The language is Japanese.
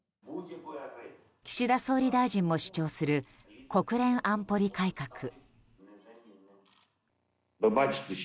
岸田総理大臣も主張する国連安保理改革。